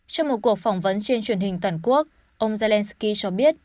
trong một cuộc phỏng vấn trên truyền hình toàn quốc ông zelensky cho biết